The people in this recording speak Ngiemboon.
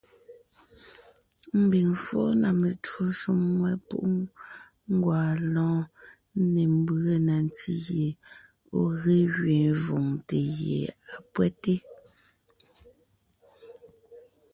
Ḿbiŋ fɔ́ɔn na metwó shúm ŋwɛ́, pú ńgwaa lɔ́ɔn, ńne ḿbʉe na ntí gie ɔ̀ ge gẅiin vòŋte gie á pÿɛ́te.